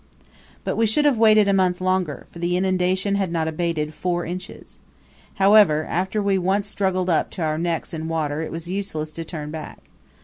But we should have waited a month longer, for the inundation had not abated four inches. However, after we once struggled up to our necks in water it was use less to turn back.